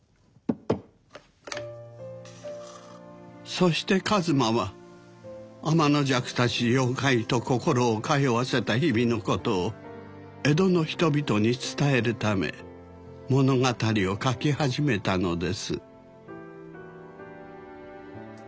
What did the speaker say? そして一馬は天の邪鬼たち妖怪と心を通わせた日々のことを江戸の人々に伝えるため物語を書き始めたのです